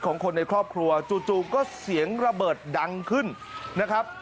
ของคนในครอบครัวจู่ก็เสียงระเบิดดังขึ้นนะครับ